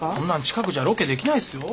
近くじゃロケできないっすよ。